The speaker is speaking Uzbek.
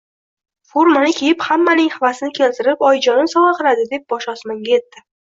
Formani kiyib, hammaning havasini keltirib, oyijonim sovg`a qildi, deb boshi osmonga etdi